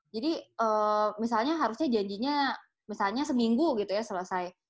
jadi misalnya harusnya janjinya misalnya seminggu gitu ya selesai